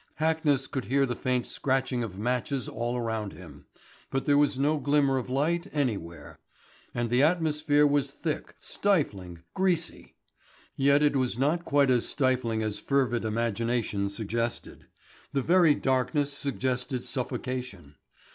Hackness could hear the faint scratching of matches all around him, but there was no glimmer of light anywhere. And the atmosphere was thick, stifling, greasy. Yet it was not quite as stifling as perfervid imagination suggested. The very darkness suggested suffocation.